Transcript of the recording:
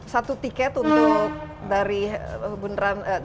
satu tiket untuk dari bundaran